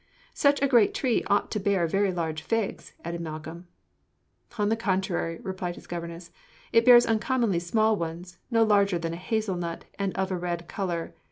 "Such a great tree ought to bear very large figs," added Malcolm. "On the contrary," replied his governess, "it bears uncommonly small ones no larger than a hazel nut, and of a red color.